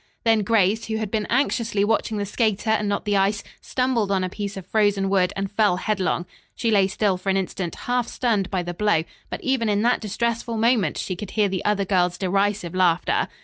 Then Grace, who had been anxiously watching the skater and not the ice, stumbled on a piece of frozen wood and fell headlong. She lay still for an instant, half stunned by the blow, but even in that distressful moment she could hear the other girl's derisive laughter.